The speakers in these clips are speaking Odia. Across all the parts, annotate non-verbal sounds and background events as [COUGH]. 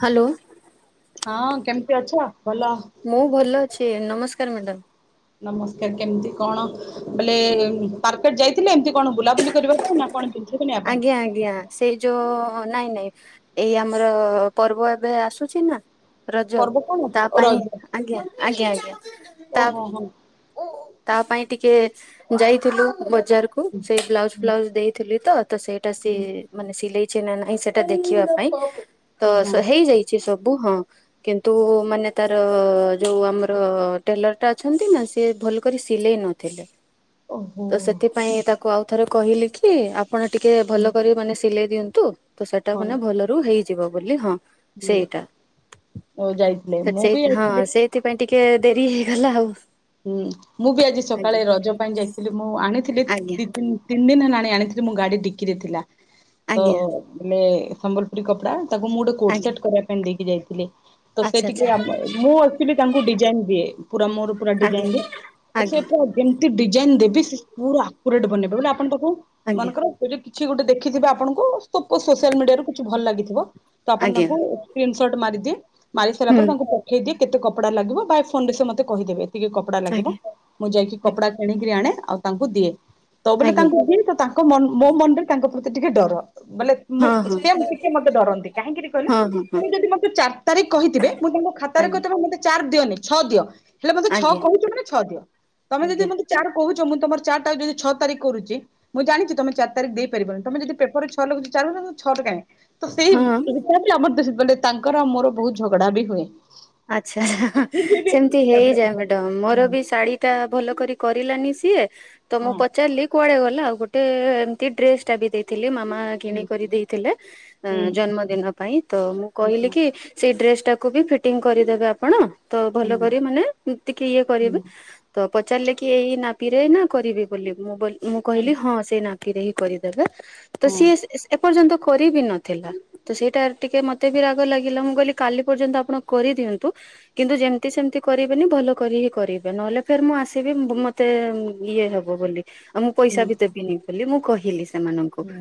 ହ୍ୟାଲୋ ହଁ କେମିତି ଅଛ? ଭଲ। ମୁଁ ଭଲ ଅ ଛି ନମସ୍କାର ମାଡ଼ାମ। ନମସ୍କାର କେମିତି କଣ ବେଲେ ମାର୍କେଟ ଯାଇଥିଲେ ଏମତି କଣ ବୁଲାବୁଲି କରିବା ପାଇଁ ନା କଣ ଜିନିଷ‌ କିଣିବା ପାଇଁ? ହଁ ନାଇଁ ନାଇଁ ଏଇ ଆମର ପର୍ବ ଏବେ ଆସୁଛି ନା। ରଜ ପର୍ବ କଣ ଅଛି ତା ଓ ପାଇଁ ରଜ ଆଜ୍ଞା ଆଜ୍ଞା ଆଜ୍ଞା ତା ଓହୋ ହଁ ତା ପାଇଁ ଟିକେ ଯାଇଥିଲୁ ବଜାରକୁ। ସେଇ ବ୍ଲାଉଜ ଫ୍ଲାଉଜ ଦେଇଥିଲି ତ ତ ସେଇଟା ହଁ ସିଏ ମାନେ ସିଲେଇ କରିଛି ନା ନାଇଁ ସେଇଟା ଦେଖିବା ପାଇଁ। ତ ହଁ ହେଇଯାଇଛି ସବୁ। ସବୁ ହଁ କିନ୍ତୁ ମାନେ ତାର ଯୋଉ ଆମର ଟେଲର ଟା ଅଛନ୍ତି ନା ସିଏ ଭଲ କରି ସିଲେଇ ନଥିଲେ। ଓହୋ ତ ସେଥିପାଇଁ ତାକୁ ତାକୁ ଆଉ ଥରେ କହିଲି କି? ଆପଣ ଟିକିଏ ହୁଁ ଭଲ କରି ମାନେ ସିଲେଇ ଦିଅନ୍ତୁ। ତୁ ତ ସେଟା ହଁ ମାନେ ଭଲରୁ ହେଇ ଯିବ ବୋଲି ହଁ ହୁଁ ସେଇଟା ଓ ଯାଇଥିଲେ ମୁଁ ବି ସେଇ ହଁ ଯାଇଥିଲି ସେଇଥିପାଇଁ ଟିକେ ଟିକେ ଡେରି ହେଇଗଲା ଆଉ ହୁଁ ମୁଁ ବି ଆଜି ଆଜ୍ଞା। ସକାଳେ ରଜ ପାଇଁ ଯାଇଥିଲି ମୁଁ ଆଣିଥିଲି। ଆଜ୍ଞା ତି ତିନି ଦିନି ହେଲାଣି ଆଣିଥିଲି ମୋ ଗାଡି ଡିକିରେ ଥିଲା। ତ ଆଜ୍ଞା ମେ ସମ୍ବଲପୁରୀ କପଡ଼ା ତାକୁ ମୁଁ ଗୋଟେ କୋଟ ଆଜ୍ଞା ସେଟ୍ କରିବା ପାଇଁ ଦେଇକି ଯାଇଛି। [INAUDIBLE] ତ ସେ ଆଚ୍ଛା ଟିକେ ଆଚ୍ଛା ମୁଁ ଆସି ତାଙ୍କୁ ଡିଜାଇନ ଦିଏ ପୁରା ମୋର ରଡି ଆଜ୍ଞା। ଯାଇନ୍ତି ତ ସେ ଆଜ୍ଞା ପଜିନ ଡିଜାଇନ ଦେବି ସେ ପୁରା ପୁରା ଡ ବନେବେ ବ ବୋଲି ଆପଣ ପାଖ ମନେ ଆଜ୍ଞା କର କିଛି ଗୋଟେ ଦେଖିଥିବେ ଆପଣଙ୍କୁ ସୋସିଆଲ ମିଡିଆରୁ କିଛି ଭଲ ଲାଗିଥିବ ତ ଆପଣ ଆଜ୍ଞା ତାଙ୍କୁ ସୋଟ ମାରି ମାରି ସାରା ହୁଁ ପରେ ତାଙ୍କୁ ପଠେଇ ଦେଇ କେତେ କପଡ଼ା ଲାଗିବ ବା ଫୋନ ରେ ସେ ମତେ କହିଦେବେ ଟିକେ କପଡା ଲାଗିବ ଆଜ୍ଞା। ମୁଁ ଯାଇକି କପଡା କିଣିକରି ଆଣେ ଆଉ ତାଙ୍କୁ ଦିଏ ତୋବେଳେ ଆଜ୍ଞା ଆଜ୍ଞା ତାଙ୍କୁ ତାଙ୍କ ମୋ ମନରେ ତାଙ୍କ ପ୍ର ସେେ ଟିକେ ଡର ମାନେ ମୁଁ ହଁ ହଁ ସେ ଟିକେ ମତେ ଡରନ୍ତି କାହିଁକିରି କହିଲେ ହଁ ହଁ ହଁ ତୁ ଯଦି ମତେ ଚାରି ତାରିଖ କହିଥିବେ ମୁଁ ତାଙ୍କ ଖାତାରେ ଆଜ୍ଞା କହି ମତେ ଚାର ଦିନି ଛଅ ଦିଅ ଛଅ ଆଜ୍ଞା କହୁଛ ମାନେ ଛଅ ଦିଅ ତମେ ଯଦି ଆଜ୍ଞା ମେ ଚାର କହୁଛ। ଁ ତମ ଚାରିାରିଖି ଛଅ ତିଖୁଛି ମୁଁ ଜଣିୁ ତମ ଚାରିଖ ଦେଇ ପାରିବନିମ ଯି ପେପ ଛ ଲାଗୁଛିାର ଛ ଟାଁ ତ ସେଇ ହଁ। ଏଇଛା ବି ଆମର ଦେ ବୋଇଲେ ତାଙ୍କର ମୋର ବହୁତ ଝଗଡା ବି ହୁଏ। ଆଚ୍ଛା ସେମିତି ତାପରେ ହେଇଯାଏ ମ ମୋର ହଁ ବି ଶାଢୀ ଟା ଭଲ ଭଲ କରି କରଲାନି ସିଏ ତ ମୁଁ ହଁ ପଚାରିଲି କୁଆଡେ ଗଲେ ହେଲା ଆଉ ଗୋଟେ ଏମତି ଡ୍ରେସ ଟା ବି ଦେଇ ମ କି ଜ ହୁଁ ହୁଁ ମୁ କି? ହୁଁ କୁ ବି ଫଟ କଟିଂ କରିଦେବେ ଆପଣ ତ ଭଲ କରି ମାନେ ଟିକେ ଇଏ କରିବେ ହୁଁ ତ ପଚାରିଲେ କି ଏଇ ନା ପିରେ ନା କରିବି ବୋଲି ମୁଁ ମୁଁ ହୁଁ କହିଲି ହଁ ସେଇ ନା କିିରେ ହି କରିଦେବେ ତ ହଁ ସିଏ ପର୍ଯ୍ୟନ୍ତ କରିିବ ନଥିଲା। ତ ସେଇଟା ଟିକେ ମତେ ବି ରାଗ ଲାଗିଲା ମୁଁ କହିଲି କାଲି ପର୍ଯ୍ୟନ୍ତ ଆପଣ କରିଦିଅନ୍ତୁ। କିନ୍ତୁ ଯେମିତି ସେମିତି କରିବେନି ଭଲ କରି ହି କରିବେ ନହେଲେ ଫେର୍ ମୁଁ ଆସିବି ମତେ ଇଏ ହବ ବୋଲି ଆଉ ମୁଁ ପଇସା ହୁଁ ଭି ଦେବିନି ବୋଲି ମୁଁ କହିଲି ସେମାନଙ୍କୁ ହୁଁ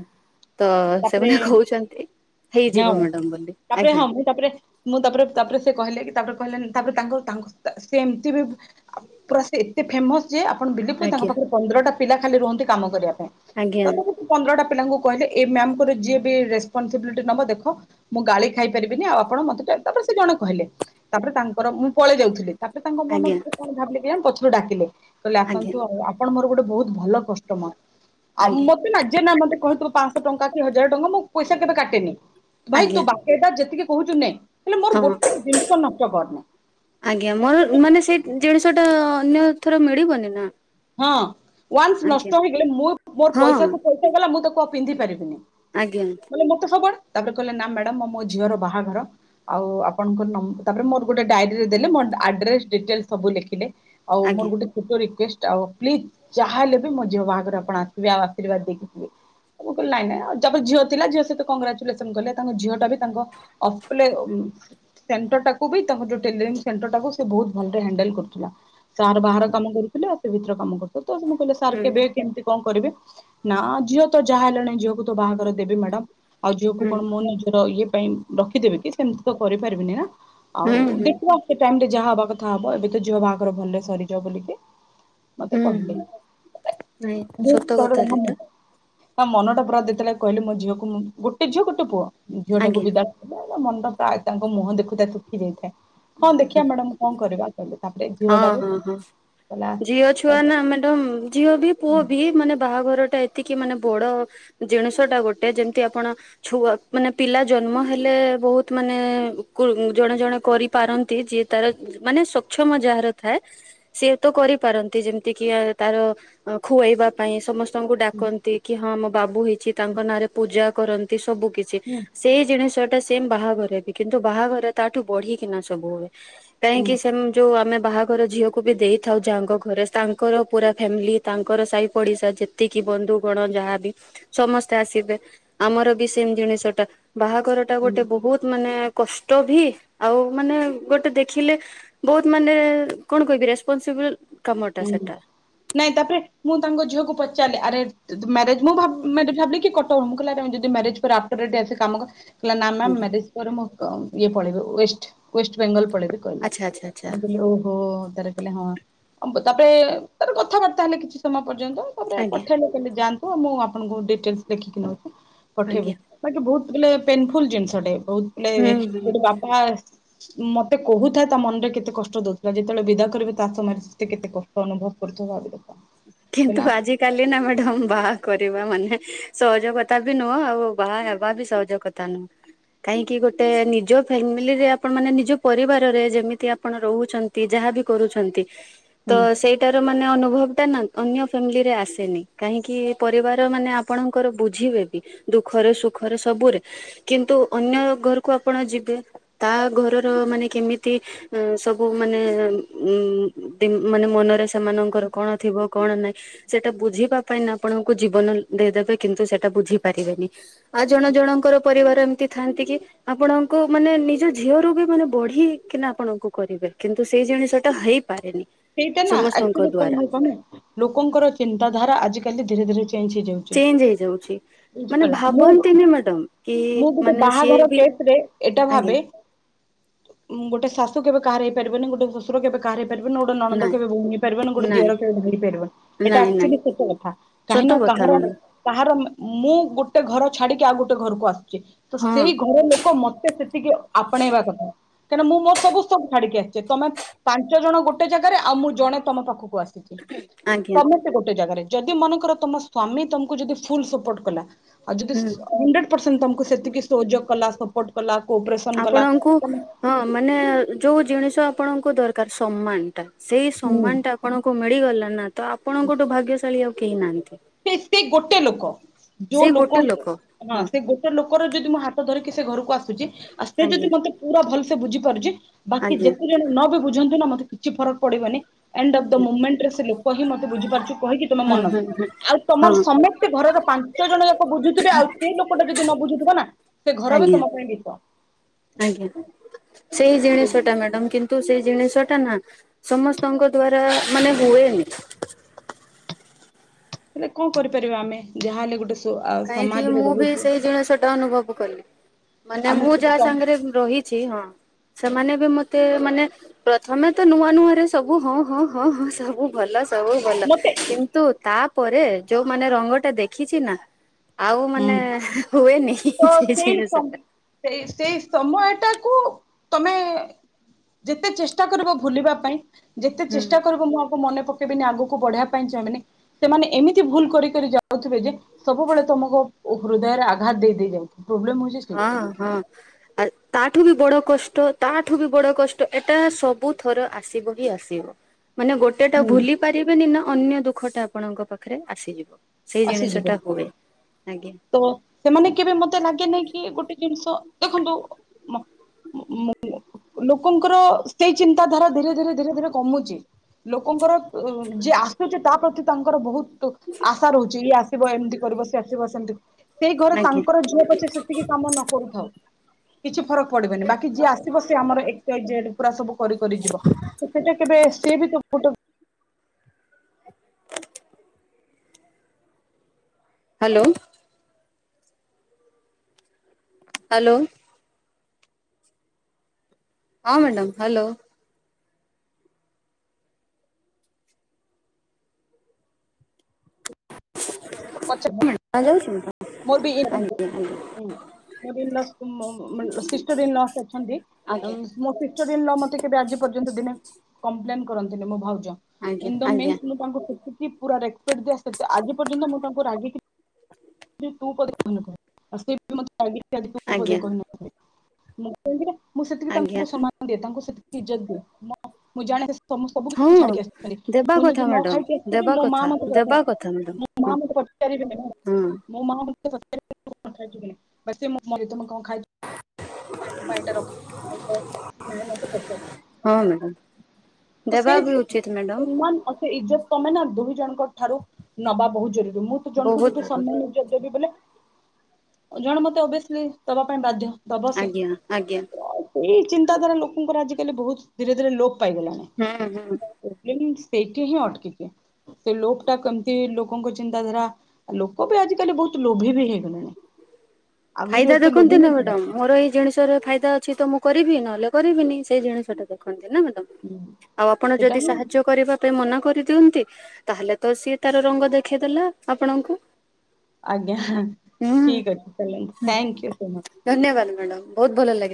ତ ତାପରେ ସେମାନେ କହୁଛନ୍ତି ହେଇଯିବ ହଁ ମ୍ୟାଡାମ ବୋଲି ତାପରେ ଆଜ୍ଞା ହଁ ମୁଁ ତାପରେ ମୁଁ ତାପରେ ତାପରେ ସେ କହିଲେ କି ତାପରେ କହିଲେ ତାପରେ ତାଙ୍କର ତାଙ୍କ ସେ ଏମିତି ବି ପୁରା ସେ ଏତେ ଫେମସ୍ ଯେ ଆପଣ ବିଲେପୁ ତାଙ୍କ ଆଜ୍ଞା ପାଖରେ ପନ୍ଦରଟା ପିଲା ଖାଲି ରୁହନ୍ତି କାମ କରିବା ପାଇଁ ଆଜ୍ଞା ତଥାପି ସେ ପନ୍ଦରଟା ପିଲାଙ୍କୁ କହିଲେ ଏ ମ୍ୟାମଙ୍କର ଯିଏ ବି ରେସପନସିବିଲିଟି ନବ ଦେଖ ମୁଁ ଗାଳି ଖାଇପାରିବିନି ଆଉ ଆପଣ ମତେ ତାପରେ ସେ ଜଣେ କହିଲେ ତାପରେ ତାଙ୍କର ମୁଁ ପଳେଇ ଯାଉଥିଲି ତାପରେ ତାଙ୍କ ମନ ଆଜ୍ଞା ଭରେ କଣ ଭାବିଲେ କେ ଡାକିଲେ ତହଲେ ଆଜ୍ଞା ଆସନ୍ତୁ ଆଉ ଆପଣ ମୋର ଗୋଟେ ବହୁତ ଭଲ କଷ୍ଟମର ଆଉ ଆଜ୍ଞା ମତେ ନା ମତେ କହିହୁଥିବ ପାଞ୍ଚଶହ ଟଙ୍କା କି ହଜାର ଟଙ୍କା ମୁଁ ପଇସା କେବେ କାଟେନି ଭାଇ ତୁ ଆଜ୍ଞା ବାକି ଯେତିକି କହୁଛୁ ନେ ହେଲେ ମୋର ହଁ ଗୋଟେ ଜିନିଷ ନଷ୍ଟ କରନି। ଆଜ୍ଞା ମୋର ମାନେ ସେଇ ଜିନିଷ ଟା ଅନ୍ୟ ଥର ମିଳିବନି ନା। ହଁ। ୱାନ୍ସ ନଷ୍ଟ ଆଜ୍ଞା। ହେଇଗଲେ ମୁଁ ମୋର ହଁ ପଇସାକୁ ପଇସାଗଲା ମୁଁ ତା କ ପିନ୍ଧି ପାରିବିନି। ଆଜ୍ଞା ନହେଲେ ମୋତେ ସବୁ ତାପରେ କହିଲେ ନା ମ୍ୟାଡ଼ାମ ମୋ ମୋ ଝିଅର ବାହାଘର ଆଉ ଆପଣଙ୍କ ନଂ ତାପରେ ମୋର ଗୋଟେ ଡାଇରରିରେ ଦେଲେ ମୋ ଆଡ୍ରେସ ଡିଟେଲ ସବୁ ଲେଖିଲେ। ଆଉ ମୋର ଆଜ୍ଞା ଗୋଟେ ଛୋଟ ରିକୁଏଷ୍ଟ। ଆଉ ପ୍ଲିଜ ଯାହାହଲେ ବି ମୋ ଝିଅ ବାହାଘରେ ଆପଣ ଆସିବେ ଆଉ ଆଶୀର୍ବାଦ ଦେଇକି ଯିବେ। ମୁ କହିଲି ନାଇଁ ନାଇଁ ଯା ଝିଅ ଥିଲା ଝିଅ ସହିତ କଂଗ୍ରାଚୁଲେସନ କଲେ ତାଙ୍କ ଝିଅ ଟା ବି ତାଙ୍କ ଏସ ପୁ ଲେ ସେଣ୍ଟରାକୁ ବି ତାଙ୍କ ଟୋଟାଲି ସେନଟର ଟାକୁ ସେ ବହୁତ ଘଣ୍ଟି ହ୍ୟନଣ୍ଡଲ କରୁଥିଲା। ସାର ହୁଁ ବାହାର କାମ କରୁଥିଲ। ଭିତର କାମ କରୁ ତଁ କହିଲ ସାର୍ ହୁଁ କେବେ କେମିତି କ କରିବେ ନା ଝିଅ ତ ଯାହା ହେଲାଣି ଝିଅକୁ ତ ବାହାଘର ଦେବି ମ୍ୟାଡାମ। ଆଉ ଝିଅକୁ ହୁଁ କଣ ମୋ ନିଜର ଇଏ। ପାଇଁ ରଖିଦେବିକି ସେମିତି ତ କରିପାରିବିନି ନା ଆଉ ହୁଁ। ଦେଖିବା ସେ ଟାଇମରେ। ଯାହା ହବା କଥା ହବ ଏବେ ତ ଝିଅ ବାହାଘର ଭଲରେ ସରିଯାଉ ବୋଲିକି। ମତେ ହୁଁ କହିଲେ। ହୁଁ ନାଇଁ ସତ କଥା ସେଟା [UNINTELLIGIBLE] ତା ମନଟା ପୁରା ଯେତେବେଳେ କହିଲି ମୋ ଝିଅକୁ ମୁଁ ଗୋଟେ ଝିଅ ଗୋଟେ ପୁଅ। ଝିଅଟାକୁ ଆଜ୍ଞା ବିଦା କରିବା। ମଣ୍ଡ ପ୍ରାୟ ତାଙ୍କ ମୁହଁ ଦେଖୁଥାଏ ତୁଖି ଯାଇଥାଏ। ହଁ ଦେଖିବା ମ୍ୟାଡାମ କଣ କରିବା କହିଲେ। ତାପରେ ହଁ ଝିଅଟା ବି ହଁ ହଁ। ହେଲା। ଝିଅ ଛୁଆ ନା ମ୍ୟାଡ଼ାମ ଝିଅ ବି ପୁଅ ବି ମାନେ ବାହାଘରଟା ଏ ଟିକେ ମାନେ ବଡ ଜିନିଷଟା ଗୋଟେ ଯେମିତି ଆପଣ ଛୁଆ ମାନେ ପିଲା ଜନ୍ମ ହେଲେ ବହୁତ ମାନେ କ ଜଣେ ଜଣେ କରିପାରନ୍ତି ଯିଏ ତାର ମାନେ। [UNINTELLIGIBLE] [UNINTELLIGIBLE] ମ ଯାହାର ଥାଏ ସି ତ କରିପାରନ୍ତି ଯେମିତି କି ଆ ତାର ଖୁଆଇବା ପାଇଁ ସମସ୍ ସ୍ତଙ୍କୁ ଡାକନ୍ତି କି ହଁ ମୋ ବାବୁ ହେଇଛି ତାଙ୍କ ନାଁରେ ପୂଜା। କରନ୍ତି। ସବୁ କିଛି ହୁଁ ସେଇ ଜିନିଷ। ସେମ୍ ବାହାଘରେ ବି କିନ୍ତୁ ବାହାଘରେ ତାଠୁ ବଢିକିନା ସବୁ ହୁଏ। ହୁଁ କାହିଁକି ସେ ତମେ ବାହାଘର ଝିଅକୁ ବି ଦେଇଥାଉ ଯାହାଙ୍କ ଘରେ ତାଙ୍କର ପୁରା ଫ୍ୟାମିଲି ତାଙ୍କର ସାହି ପଡିଶା ଯେତିକି ବନ୍ଧୁଗଣ ଯାହାବି ସମସ୍ତେ ଆସିବେ ଆମର ବି ସେମ ଜିନିଷଟା। ବାହାଘରଟା ହୁଁ ଗୋଟେ ବହୁତ ମାନେ। କଷ୍ଟ ବି ଆଉ ମାନେ ଗୋଟେ ଦେଖିଲେ। ବହୁତ ମାନେ କଣ କହିବି ରେସପନସିବିଲ୍ ହୁଁ ନାଇଁ ତାପରେ ମୁଁ ତାଙ୍କ ଝିଅକୁ ପଚ ଚାଲ୍ ଆରେ ଯଦି ମ୍ୟାରେଜ ମୁଁ ଭାବ ମ୍ୟାରେଜ ଭାବିକି କଟ ହ ଯଦି ମ୍ୟାରେଜ ପରେ ଆଫଟର ଆ କାମ କହିଲା ନା ମ୍ୟାମ୍ ଆଜ୍ଞା ମ୍ୟାରେଜ ପରେ ମୁଁ ଇଏ ପଳେଇବ ୱେଷ୍ଟ ୱେଷ୍ଟବେଙ୍ଗଲ ପଳେଇବ କଇଲା ଆଚ୍ଛା ଆଚ୍ଛା ଆଚ୍ଛା। [UNINTELLIGIBLE] ତରଖିଲା ହଁ। [UNINTELLIGIBLE] ତାପରେ ତାର କଥାବାର୍ତ୍ତା ହେଲେ କିଛି ସମୟ ପର୍ଯ୍ୟନ୍ତ ତାପରେ ଆଜ୍ଞା ପଠେଇଲେ କହିଲେ ଯାଆନ୍ତୁ [UNINTELLIGIBLE] ମୁଁ ଆପଣଙ୍କୁ ଡିଟେଲସ୍ ଦେଖିକି ନଉଚି ପଠେଇବି ଆଜ୍ଞା। ବାକି ବହୁତ ବିଲଲେ ପେନଫୁଲ ଜିନିଷଟେ ବହୁ ବ ହୁଁ ହୁଁ। ଗୋଟେ ବାପା ମତେ କହୁଥାଏ ତା ମନରେ କେତେ କଷ୍ଟ ଦଉଥିଲା ଯେତେବେଳେ ବିଦା କରିବେ ତା ସମୟରେ ମତେ କେତେ କଷ୍ଟ ଅନୁଭବ କରୁଥଥିବା ଭାବରେ କିନ୍ତୁ ଆଜ କାଲି ନା ମ୍ୟାଡାମ ବାହା କରିବା ମାନେ ସହଜ କଥା ବି ନୁହଁ ଆଉ ବାହା ହେବା ବି ସହଜ କଥା ନୁହଁ କାହିଁକି ଗୋଟେ ନିଜ ଫ୍ୟାମିଲିରେ ଆପଣ ମାନେ ନିଜ ପରିବାରରେ ଯେମିତି ଆପଣ ରହୁଛନ୍ତି ଯାହାବ କରୁଛନ୍ତି। ତ ହୁଁ ସେଇଟାରୁ ମାନେ ଅନୁଭବ ତା ନା ଅନ୍ୟ ଫ୍ୟାମିଲିରେ ଆସେନି କାହିଁକି ପରିବାର ମାନେ ଆପଣଙ୍କର ବୁଝିବେ ବି ଦୁଃଖରେ ସୁଖରେ ସବୁରେ କିନ୍ତୁ ଅନ୍ୟ ଘରକୁ ଆପଣ ଯିବେ ତା ଘରର ମାନେ କେମିତି ସବୁ ମାନେ ମାନେ ମନରେ ସେମାନଙ୍କର କଣ? ଥିବ କଣ ନାାଇଁ ସେଟା ବୁଝିବା ପାଇଁ ଆପଣଙ୍କୁ ଜୀବନ ଦେଇଦେବେ କିନ୍ତୁ ସେଟା ବୁଝି ପାରିବେନି ଆ ଜଣ ଜଣଙ୍କର ପରିବାର ଏମିତି ଥାଆନ୍ତି କି ଆପଣଙ୍କୁ ମାନେ ନିଜ ଝିଅ ର ବି ମାନେ ବଢିକିନା ଆପଣଙ୍କୁ କରିବେ କିନ୍ତୁ ସେଇ ଜିନିଷ ଟା ହେଇ ପାରେନି ସେଇଟା ନା ସମସ୍ତଙ୍କ ଆକ୍ଚୁଆଲି କଣ ଦ୍ଵାରା ହଉଛି ଲୋକଙ୍କର ଚିନ୍ତାଧାରା ଆଜିା କ ଧୀରେ ଧୀରେ ଚେଞ୍ଜ ହେଇଯାଉଛି ଚେଞ୍ଜ ହେଇଯାଉଛି ମାନେ ବୁଝିପାରିଲା ମୁଁ ଭାବନ୍ତିନି ମ୍ୟାଡ କି ମୁଁ ଗୋଟେ ମାନେ ସିଏ ବାହାଘର ବି ଆ ମୁଁ ଗୋଟେ ଶାଶୁ କେବେ କହାର ହେଇପାରିବନି ଗୋଟେ ଶ୍ୱଶୁର କେବେ କାହାର ହେଇ ପାରିବନି। ଗୋଟେ ନଣନ୍ଦ ନାଇଁ କେବେ ବୁି ପାରିବନ ଗୋଟେ ନାଇଁ ଦଅର କେବେ ଭ ପାରିବନ ଏଇଟା ନାଇଁ ନାଇଁ ଆକ୍ଚୁଆଲିୋ କଥା ସତ କାହିଁ କଥା କାହାର ମ୍ୟାଡ଼ାମ କାହାର। ମୁଁ ଗୋଟେ ଘର ଛାଡ଼ିକି ଆଉ ଗୋଟେ ଘରକୁ ଆସି ତ ହଁ ସେଇ ଘର ଲୋକ ମତେ ସେତିକି ଆପଣେଇବା କଥା। କାହିଁକନା ମୁଁ ମୋର ସମୁସ୍ତଙ୍କୁ ଛାଡିକି ଆସିଚଛି ତମେ ପାଞ୍ଚ ଜଣ ଗୋଟେ ଗୋଟେ ଜାଗାରେ ଆଉ ମୁ ଜଣେ ତମ ପାଖକୁ ଆସିଛି ଆଜ୍ଞା ସମସ୍ତେ ଗୋଟେ ଜାଗାରେ ଯଦି ମନେକର ତମ ସ୍ଵାମୀ ତମକୁ ଯଦି ଫୁଲ ସପୋର୍ଟ କଲା। ଆଉ ଯଦି ହୁଁ ହେସଣ୍ଟକୁ ସେତିକି ସହଯୋଗ କଲାପୋର୍ଟ କଲା କୋପସ କ ଆପଣଙ୍କୁ ହଁ ମାନେ ଯୋଉ ଜିନିଷ ଆପଣଙ୍କୁ ଦରକାର ସମ୍ମାନ ସେଇ ହୁଁ ସମାନ ଟା ଆପଣଙ୍କୁ ମିଳିଗଲା। ନା ତ ଆପଣଙ୍କୋଠୁ ଭାଗ୍ୟଶାଳୀ ଆବ କେହି ନାହାଁନ୍ତି। ସେ ସେ ଗୋଟେ ଲୋକ ଯୋଉ ସେଇ ଗୋଟେ ଲୋକଙ୍କୁ ଲୋକ ହଁ ସେ ଗୋଟେ ଲୋକର ଯଦି ମୁଁ ହାତ ଧରିକି ସେ ଘରକୁ ଆସ ଆଉ ସେ ଯଦି ଆଜ୍ଞା ମତେ ପୁରା ଭଲ ସେ ବୁଝିପାରୁଛି। ବାକି ଆଜ୍ଞା ଯେତେ ଜଣ ନ ବି ବୁଝନ୍ତୁ ନା ମତେ କିଛି ଫରକ ପଡିବନି ଏଣ୍ଡ ଦ ଆଜ୍ଞା ମୁେଣ୍ଟରେ ସେ ଲୋକ ହିଁ ମତେ ବୁଝିାରୁଛୁ କହିକି ତମେ ହୁଁ ମନ ହୁଁ ହୁଁ ଆଉ ତମର ହଁ ସମସ୍ତେ ଘରର ପାଞ୍ଚ ଜଣ ଯାକ ବୁଝୁଥିବେ ଆଉ ସେଇ ଲୋକଟା ଯଦି ନ ବୁଝୁଥିବ ନା ସେ ଘର ବି ଆଜ୍ଞା ତମ ପାଇଁ ମିିତ ଆଜ୍ଞା ସେଇ ଜିନିଷ ଟା ହେଲେ ମ୍ୟାଡ଼ାମ କିନ୍ତୁ ସେଇ ଜିନିଷ ଟ ନା ସମସ୍ତଙ୍କ ଦ୍ଵାରା ମାନେ ହୁଏନି ହେଲେ କଣ କରିପାରିବା ଆମେ ଯାହାହଲେ ଗୋଟେ କାହିଁକି ସମାଜରେ ମୁଁ ବି ରହୁଛୁ ସେଇ ଜିନିଷଟା ଅନୁଭବ କିଲ ମାନେ ଆମେ ମୁଁ ଯାହା ସେଠି ସାଙ୍ଗରେ ରହିଛି ହଁ ସେମାନେ ବି ମତେ ମାନେ ପ୍ରଥମେ ତ ନୂଆ ନୂଆରେ ସବୁ ହଁ ହଁ ହଁ ହଁ ସବୁ ଭଲ ସବୁ ଭଲ ମତେ କିନ୍ତୁ ତାପ ପରେ ଯୋଉମାନୋନ ରଙ୍ଗ ଟା ଦେଖିଛି ନା ଆଉ ମାନେ ହୁଁ ହୁଏନି ତ ସେଇ ଜିନିଷା ସମ ସେଇ ସେଇ ସମୟଟାକୁ ତମେ ଯେତେ ଚେଷ୍ଟା କରିବ ଭୁଲିବା ପାଇଁ ଯେତେ ଚେଷ୍ଟା ହୁଁ। କରିବୁ ମୁଁ ଆଗ ମନେ ପକେଇବିନି ଆଗକୁ ବଢେଇବା ପାଇଁ ଚାହିଁନି ସେମାନେ ଏମିତି ଭୁଲ କରିିକ ଯାଉଥିବେ ଯେ ସବୁବେଳେ ହୃଦୟରେ ଆଘାତ ଦେଇଯାଉ ହଁ ହଁ ତା ତାଠୁ ବି ବଡ କଷ୍ଟ ତାଠୁ ବି ବଡ କଷ୍ଟ ଏଟା ସବୁ ଥର ଆସିବ ହିଁ ଆସିବ ମାନେ ଗୋଟେଟା ହୁଁ ଭୁଲି ପାରିବେନି ନା ଅନ୍ୟ ଦ ଦୁଖଟା ଆପଣଙ୍କ ପାଖରେ ଆସିଯିବ ସେଇ ଆସିଯିବ ଜିନିଷଟା ହୁଏ ଆଜ୍ଞା ତ ସେମାନେ କେବେ ମତେ ଲାଗେ ନାଇଁ କି କି ଗୋଟେ ଜିନିଷ ଦେଖନ୍ତୁ ଲୋକଙ୍କର ସେଇ ଚିନ୍ତା ଧାରା ଧୀରେ ଧୀରେ ଧୀରେ ଧୀରେ କମୁଛି ଲୋକଙ୍କର ଯି ଆସୁଛି ତା ପ୍ରତି ତାଙ୍କର ବହୁତ ତୁ ଆସ ଇଏ ଆସିବ ଏମିତି କରିବ ସିଏ ଆସିବ ସେମିତି ସେଇ ଘରେ ଆଜ୍ଞା ତାଙ୍କର ଝିଅ ପଛେ ସେତିକି କାମ ନ କରୁଥାଉ କିଛି ଫରକ ପଡିବନି ବାକି ଯିଏ ଆସିବ ସି ଆମ ପୁରା ସବୁ କରି ଯିବ ତ ସେଇଟା କେବେ ସିଏ ବି ତ ଗୋଟ ହ୍ୟାଲୋ ହ୍ୟାଲୋ ହଁ ମ୍ୟାଡ଼ାାମ ହ୍ୟାଲୋ ହ ହ ଯାଉଛୁ? ମୋର୍ ବିି ଏନୁ ହୁଁ। ମୋର ଇନ୍ ଲସ। ମୋ-ମୋ ସିଷ୍ଟର ଇନ୍ ଲ ଅଛନ୍ତି ଆଜ୍ଞା ମୋ ସିଷ୍ଟର ଇନ୍ ଲ ମତେ କେବେ ଆଜି ପର୍ଜ। ଦିନେ କମ୍ପ୍ଲେନ କରନ୍ତି ମୋ ଭାଉ ଆଜ୍ଞା। ଇନ୍ ଦ ଆଜ୍ଞା ମେନ୍ସ ମୁଁ ତାଙ୍କୁ ଶଖିକି। ପୁରା ରେସ୍ପେକ୍ଟ ଦିଏ ସେ ଆଜି ପର୍ଯ୍ୟନ୍ତ ମୁଁ ତାଙ୍କୁ ରାଗିକି। [UNINTELLIGIBLE] ତୁ ପଦେ କହି ନଥାଏ, ଆଉ ସେ ବି ମତେ। ଆଜି ଯାକେ ତୁ ପଦେ ଆଜ୍ଞା କହି ନାହାଁନ୍ତି। [UNINTELLIGIBLE] ମୁଁ ସେତିକି ଆଜ୍ଞା ଆଜ୍ଞା ତାଙ୍କୁ ସମ୍ମାନ ଦିଏ ତାଙ୍କୁ ସେତିକି। ଇଜ୍ଜତ ଦିଏ ମୁଁ ଜାଣେ। ତ ସବୁ କିଛି ହଁ। ଛାଡିକି ଆସିଛନ୍ତି ଦେବା ମୁଁ କଥା ଯଦି ନ ମ୍ୟାଡାମ ଖାଇକି ଆସିଥିବି ଦେବା ମୋ ମା କଥା ମତେ ଦେବା ପଚାରିବେ କଥା ମ୍ୟାଡାମ ମୋ ହଁ ମା ମତେ ପଚାରିବେ। ହଁ। ମୋ ମା ପଚାରିବେ ଖାଇଛୁ କି ନାହଁ, [INAUDIBLE] କଣ ଖାଇ ବାଇଟା ରଖ ନଁ ମତେ ପଚାର ହଁ ମ୍ୟାଡ଼ାମ ତ ଦେବା ସେଇ ବି ଉଚିତ ମ୍ୟାଡ଼ାମ। ସମ୍ମାନ ଆଉ ଇଜ୍ଜତଟା ନା ଦୁଇ ଜଣ। ଠାରୁ ନବା ବହୁତ ଜରୁରୀ। ମୁଁ ତ ଜଣଙ୍କୁ ବହୁତ ଯଦି ଜରୁରୀ ସମ୍ମାନ ଦେବି ବୋଲେ। ଜଣ ମତେ ଅଭିୟସଲି ଦବା ପାଇଁ ବାଧ୍ୟ। ଦବ ସେ ଆଜ୍ଞା ଆଜ୍ଞା ଏଇ ଚିନ୍ତାଧାରା ଲୋକଙ୍କର ଆଜିକାଲି ବହୁତ ଧୀରେ ଧୀରେ ଲୋପ୍ ପାଇଗଲାଣି ହୁଁ ହୁଁ। [UNINTELLIGIBLE] ସେଇଠି ହିଁ ଅଟକିକି ସେ ଲୋପ ଟା କେମିତି ଲୋକଙ୍କ ଚିନ୍ତାଧାରା ଲୋକ ବି ଆଜିକାଲି ବହୁତ ଲୋଭି ବି ହେଇଗଲେଣି ଠିକ୍। ଫାଇଦା ଦେଖନ୍ତି ନା ମ୍ୟାଡାମ ମୋର ଏଇ ଜିନିଷରେ ଫାଇଦା ଅଛି ତ ମୁଁ କରିବି ନହେଲେ କରିବିନି ସେହି ଜିନିଷଟା ଦେଖନ୍ତି। ନା ମ୍ୟାଡ଼ାମ ଆଉ ଆପଣ ସେଟା ଯଦି ହିଁ ସାହାଯ୍ୟ କରିବା ପାଇଁ ମନା କରି ଦିଅନ୍ତି ତାହେଲେ ତ ସିଏ ତାର ରଙ୍ଗ ଦେଖେଇଦେଲା ଆପଣଙ୍କୁ ଆଜ୍ଞା ହୁଁ ଠିକ ଅଛି ଚାଲନ୍ତୁ। Thank you so much. ମ୍ୟାଡ଼ାମ ବହୁତ ଭଲ ଲାଗିଲା।